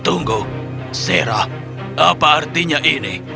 tunggu sarah apa artinya ini